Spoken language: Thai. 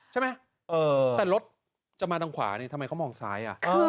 ใช่ไหมแต่รถจะมาทางขวานี่ทำไมเขามองซ้าย